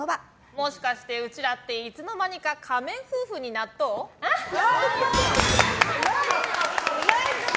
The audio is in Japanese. もしかして、うちらっていつの間にか仮面夫婦になっとう？